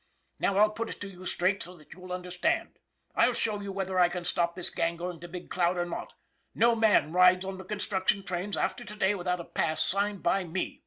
" Now I'll put it to you straight so that you'll understand. I'll show you whether I can stop the gang going to Big Cloud or not. No man rides on the construction trains after to day without a pass signed by me.